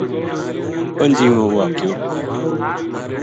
پنجیوں واقعو